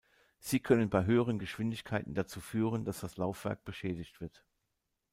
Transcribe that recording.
Sie können bei höheren Geschwindigkeiten dazu führen, dass das Laufwerk beschädigt wird.